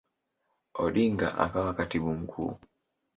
Odinga akawa Katibu Mkuu.